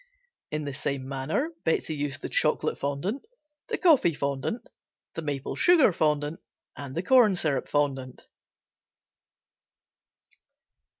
In the same manner Betsey used the "Chocolate Fondant," the "Coffee Fondant," the "Maple Sugar Fondant" and the "Corn Syrup Fondant."